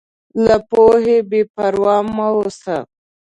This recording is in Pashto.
له پوهې بېپروا مه اوسه.